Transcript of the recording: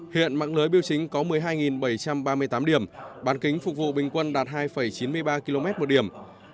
hiện mạng lưới biểu chính có một mươi hai bảy trăm ba mươi tám điểm bán kính phục vụ bình quân đạt hai chín mươi ba km một điểm